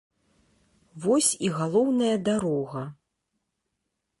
Вось і галоўная дарога.